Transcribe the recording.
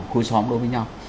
khối xóm đó với nhau